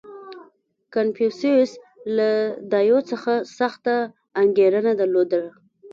• کنفوسیوس له دایو څخه سخته انګېرنه درلوده.